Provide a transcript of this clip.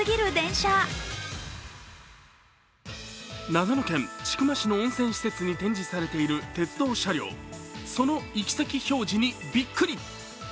長野県千曲市の温泉施設に展示されている鉄道車両、その行き先表示にびっくり。